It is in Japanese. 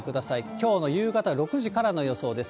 きょうの夕方６時からの予想です。